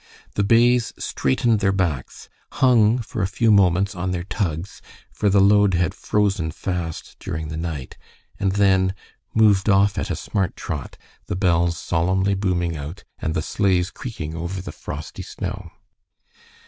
The bays straightened their backs, hung for a few moments on their tugs, for the load had frozen fast during the night, and then moved off at a smart trot, the bells solemnly booming out, and the sleighs creaking over the frosty snow.